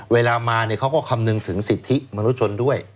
เวลามาเขาก็คำนึงถึงสิทธิมนุษยชนด้วย